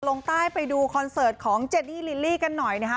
ลงใต้ไปดูคอนเสิร์ตของเจนี่ลิลลี่กันหน่อยนะคะ